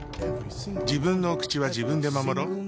自分のお口は自分で守ろっ。